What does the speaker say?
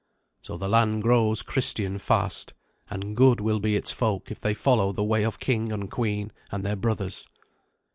So the land grows Christian fast, and good will be its folk if they follow the way of king and queen and their brothers.